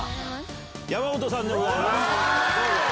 山本さんでございます。